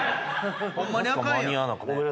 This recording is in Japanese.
ホンマにあかんやん。